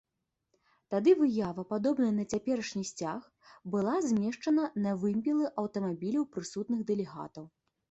Тады выява, падобная на цяперашні сцяг была змешчана на вымпелы аўтамабіляў прысутных дэлегатаў.